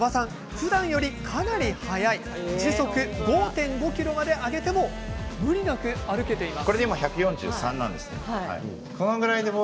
ふだんより、かなり速い時速５．５キロまで上げても無理なく歩けています。